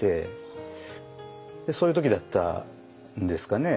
そういう時だったんですかね。